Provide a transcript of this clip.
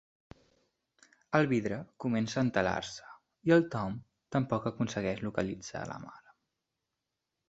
El vidre comença a entelar-se i el Tom tampoc aconsegueix localitzar la mare.